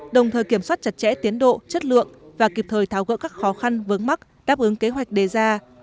đồng thời kiểm soát chặt chẽ tiến độ chất lượng và kịp thời tháo gỡ các khó khăn vướng mắc đáp ứng kế hoạch đề ra